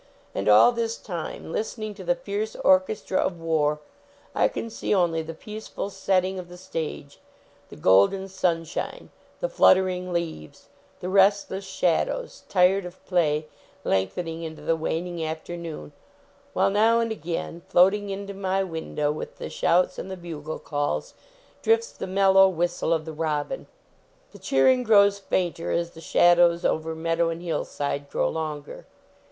And all this time, listening to the fierce orchestra of war, I can see only the peaceful setting of the stage; the golden sunshine; the fluttering leaves; the restless shadows, tired of play, lengthening into the waning afternoon, while now and again, floating into my window with the shouts and the bugle calls, drifts the mel low whistle of the robin. The cheering grows fainter, as the shadows over meadow and hillside grow longer.